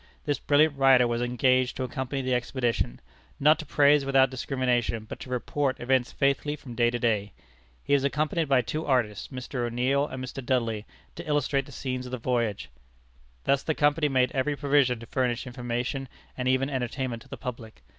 This brilliant writer was engaged to accompany the expedition not to praise without discrimination, but to report events faithfully from day to day. He was accompanied by two artists, Mr. O'Neill and Mr. Dudley, to illustrate the scenes of the voyage. Thus the Company made every provision to furnish information and even entertainment to the public.